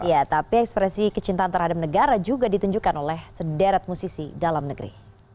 ya tapi ekspresi kecintaan terhadap negara juga ditunjukkan oleh sederet musisi dalam negeri